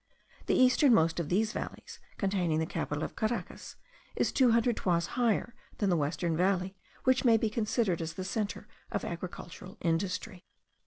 The most eastern of these valleys, containing the capital of Caracas, is 200 toises higher than the western valley, which may be considered as the centre of agricultural industry.